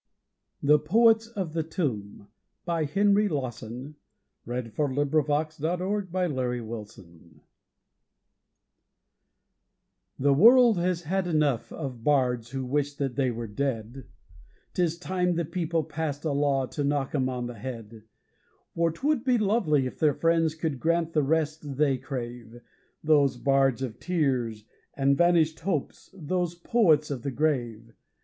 the rivers flow all summer, and the grass is always green. The Poets of the Tomb The world has had enough of bards who wish that they were dead, 'Tis time the people passed a law to knock 'em on the head, For 'twould be lovely if their friends could grant the rest they crave Those bards of 'tears' and 'vanished hopes', those poets of the grave.